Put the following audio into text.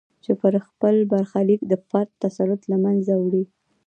چې پر خپل برخلیک د فرد تسلط له منځه وړي.